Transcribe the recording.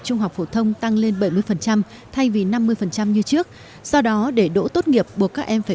trung học phổ thông tăng lên bảy mươi thay vì năm mươi như trước do đó để đỗ tốt nghiệp buộc các em phải